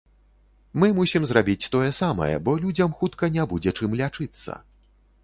Мы мусім зрабіць тое самае, бо людзям хутка не будзе чым лячыцца.